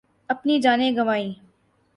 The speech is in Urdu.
اپنی جانیں گنوائیں